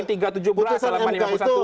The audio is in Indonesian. iya di pertimbangannya